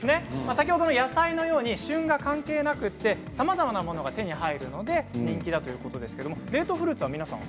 先ほどの野菜のように旬が関係なくて、さまざまなものが手に入るので人気だということなんですけど冷凍フルーツはうーん。